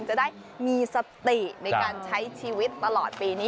จะได้มีสติในการใช้ชีวิตตลอดปีนี้